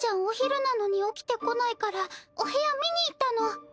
お昼なのに起きてこないからお部屋見に行ったの。